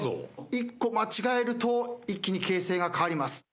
１個間違えると一気に形勢が変わります。